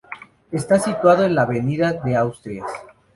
Está situado en la Avenida de Asturias.